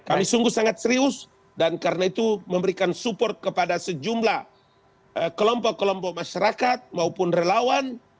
kami sungguh sangat serius dan karena itu memberikan support kepada sejumlah kelompok kelompok masyarakat maupun relawan